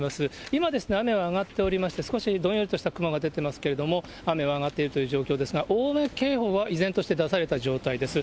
今、雨は上がっておりまして、少しどんよりとした雲が出てますけれども、雨は上がっているという状況ですが、大雨警報は依然として出された状態です。